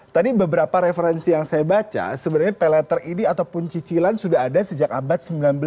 tadi beberapa referensi yang saya baca sebenarnya pay later ini ataupun cicilan sudah ada sejak abad sembilan belas